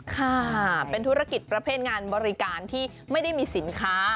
ค่ะเป็นธุรกิจประเภทงานบริการที่ไม่ได้มีสินค้า